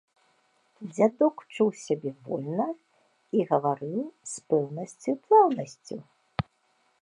Дзядок чуў сябе вольна і гаварыў з пэўнасцю і плаўнасцю.